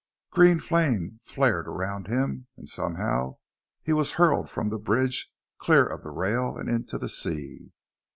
Green flame flared around him; and somehow he was hurled from the bridge, clear of the rail and into the sea.